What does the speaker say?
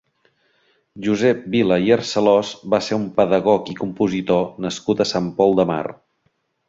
Josep Vila i Arcelós va ser un pedagog i compositor nascut a Sant Pol de Mar.